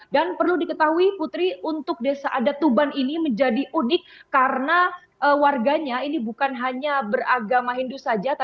dan perlu diketahui putri untuk desa adat tuban ini menjadi unik karena warganya ini bukan hanya beragama hindu saja